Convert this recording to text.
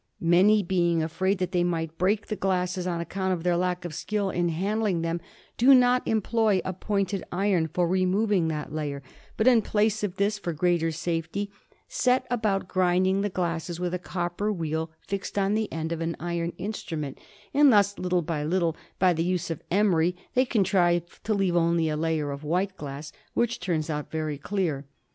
Many, being afraid that they might break the glasses, on account of their lack of skill in handling them, do not employ a pointed iron for removing that layer, but in place of this, for greater safety, set about grinding the glasses with a copper wheel fixed on the end of an iron instrument; and thus, little by little, by the use of emery, they contrive to leave only a layer of white glass, which turns out very clear.